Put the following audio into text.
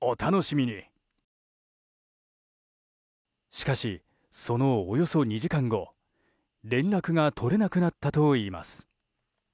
しかし、そのおよそ２時間後連絡が取れなくなったといいます。